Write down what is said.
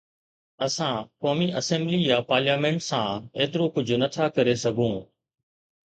اسان قومي اسيمبلي يا پارليامينٽ سان ايترو ڪجهه نٿا ڪري سگهون